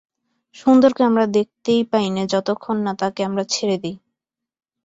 সুন্দরকে আমরা দেখতেই পাই নে যতক্ষণ না তাকে আমরা ছেড়ে দিই।